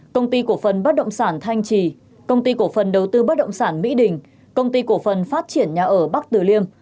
công ty cổ phần bất động sản thanh trì công ty cổ phần đầu tư bất động sản mỹ đình công ty cổ phần phát triển nhà ở bắc tử liêm